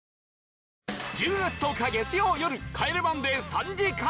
１０月１０日月曜よる『帰れマンデー』３時間。